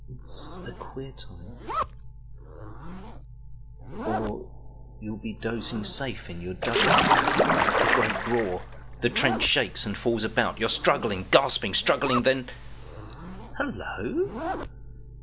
It's a queer time. Or you'll be dozing safe in your dug out—A great roar—the trench shakes and falls about—You're struggling, gasping, struggling, then … hullo!